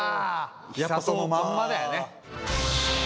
寿人のまんまだよね。